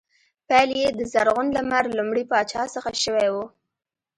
پیل یې د زرغون لمر لومړي پاچا څخه شوی و